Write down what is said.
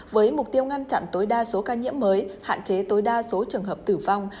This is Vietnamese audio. với mục tiêu ngăn chặn tối đa số ca nhiễm mới hạn chế tối đa số trường hợp tử vong